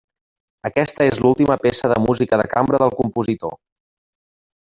Aquesta és l'última peça de música de cambra del compositor.